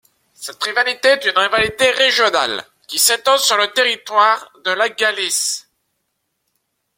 Cette rivalité est une rivalité régionale qui s'étend sur le territoire de la Galice.